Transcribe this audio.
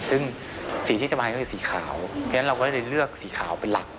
ซึ่งสีที่จะมาก็คือสีขาวเพราะฉะนั้นเราก็เลยเลือกสีขาวเป็นหลัก